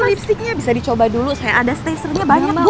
lipstiknya bisa dicoba dulu saya ada stasernya banyak bu